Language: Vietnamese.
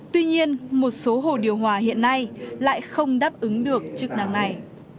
tuy nhiên một số hồ điều hòa hiện nay lại không đáp ứng được chức năng này